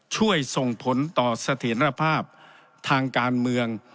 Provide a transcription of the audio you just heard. ช่วยส่งผลต่อเสถียรภาพทางการเมือง